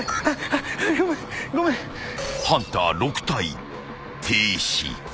［ハンター６体停止］